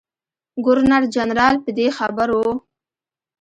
ګورنر جنرال په دې خبر وو.